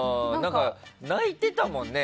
泣いてたもんね。